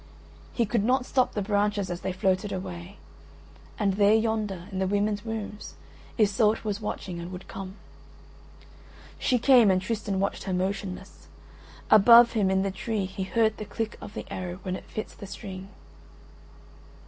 He could not stop the branches as they floated away, and there, yonder, in the women's rooms, Iseult was watching and would come. She came, and Tristan watched her motionless. Above him in the tree he heard the click of the arrow when it fits the string.